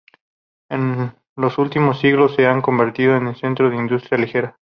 En los últimos siglos se ha convertido en centro de industria ligera.